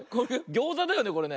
ギョーザだよねこれね。